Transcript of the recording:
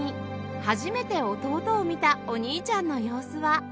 初めて弟を見たお兄ちゃんの様子は